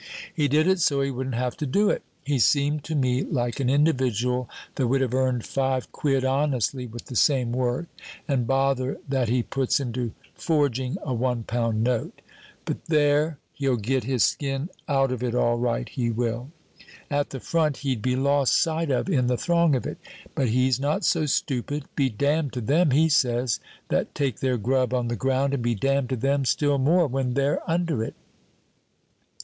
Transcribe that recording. He did it so he wouldn't have to do it. He seemed to me like an individual that would have earned five quid honestly with the same work and bother that he puts into forging a one pound note. But there, he'll get his skin out of it all right, he will. At the front he'd be lost sight of in the throng of it, but he's not so stupid. Be damned to them, he says, that take their grub on the ground, and be damned to them still more when they're under it.